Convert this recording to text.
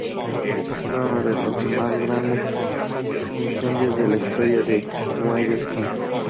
Fue uno de los más grandes incendios de la historia de Guayaquil.